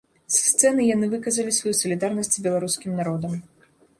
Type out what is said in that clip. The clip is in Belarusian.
Са сцэны яны выказалі сваю салідарнасць з беларускім народам.